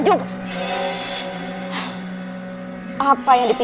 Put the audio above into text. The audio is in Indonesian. cobalah merasakan air